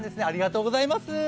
ありがとうございます。